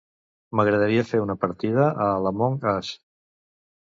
M'agradaria fer una partida a l'"Among us".